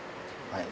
はい。